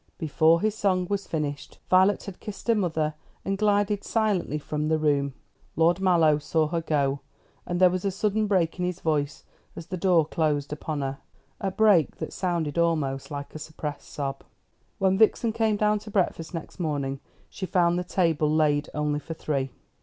Before his song was finished Violet had kissed her mother and glided silently from the room, Lord Mallow saw her go, and there was a sudden break in his voice as the door closed upon her, a break that sounded almost like a suppressed sob. When Vixen came down to breakfast next morning she found the table laid only for three.